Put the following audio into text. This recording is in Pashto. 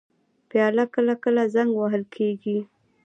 پیاله کله کله زنګ وهل کېږي.